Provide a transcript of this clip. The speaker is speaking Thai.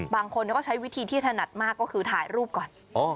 บางคนก็ใช้วิธีที่ถนัดมากก็คือถ่ายรูปก่อน